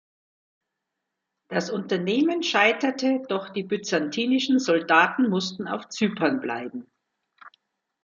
Das Unternehmen scheiterte, doch die byzantinischen Soldaten mussten auf Zypern bleiben.